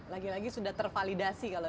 lagi lagi sudah tervalidasi kalau gitu ya pak bobot